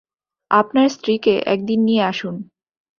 আপনার স্ত্রীকে একদিন নিয়ে আসুন।